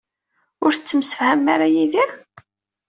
Ur tettemsefham ara yid-i?